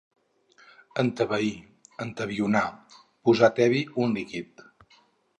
entebeir, entebionar: posar tebi un líquid